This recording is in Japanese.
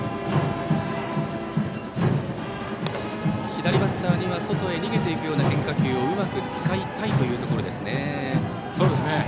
左バッターには外へ逃げていくような変化球をうまく使いたいというところですね。